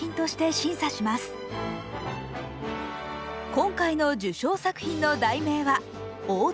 今回の受賞作品の題名は「大鳥居」。